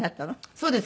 そうです。